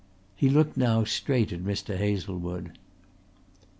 He looked now straight at Mr. Hazlewood.